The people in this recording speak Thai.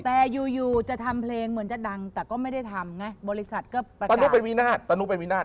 แต่อยู่อยู่จะทำเพลงเหมือนจะดังแต่ก็ไม่ได้ทำไงบริษัทก็เป็นตะนุเป็นวินาศตนุเป็นวินาศ